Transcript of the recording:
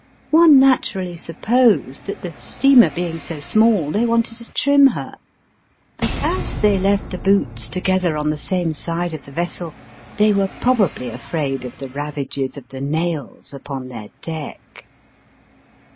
One natu rally supposed that the steamer being so small they wanted to trim her ; but as they left the boots together on the same side of the vessel they were probably afraid of the ravages of the nails upon their deck.